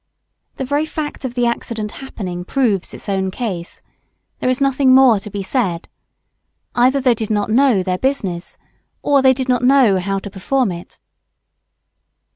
The very fact of the accident happening proves its own case. There is nothing more to be said. Either they did not know their business or they did not know how to perform it.